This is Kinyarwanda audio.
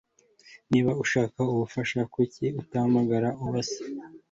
Niba ushaka ubufasha kuki utahamagara Uwase